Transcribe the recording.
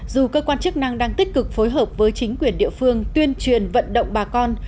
dù cơ quan chức năng đang tích cực phối hợp với chính quyền địa phương tuyên truyền vận động bà con